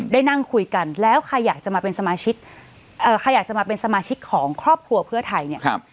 ได้นั่งคุยกันแล้วใครอยากจะมาเป็นสมาชิกของครอบครัวเพื่อไทยเนี่ย